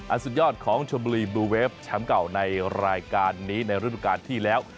สุดยอดของชมบุรีบลูเวฟแชมป์เก่าในรายการนี้ในฤดูการที่แล้ว